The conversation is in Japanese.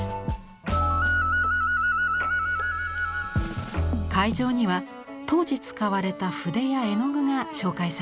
会場には当時使われた筆や絵の具が紹介されています。